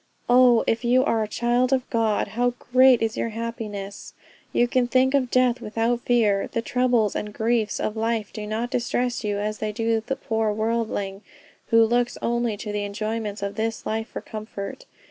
"Oh if you are a child of God, how great is your happiness; you can think of death without fear. The troubles and griefs of life do not distress you as they do the poor worldling, who looks only to the enjoyments of this life for comfort.